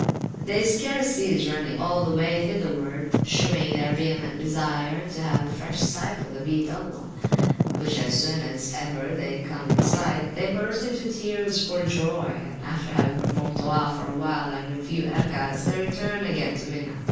They scarce cease running all the way thitherward, shewing their vehement desire to have a fresh sight of the Beat Allah; which as soon as ever they come in sight of, they burst into tears for joy; and after having performed Towoaf for a while, and a few Erkaets, they return again to Mina.